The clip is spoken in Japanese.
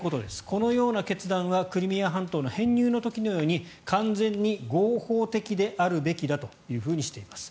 このような決断はクリミア半島の編入の時のように完全に合法的であるべきだというふうにしています。